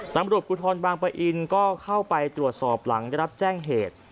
ตำรวจภูทรบางปะอินก็เข้าไปตรวจสอบหลังได้รับแจ้งเหตุ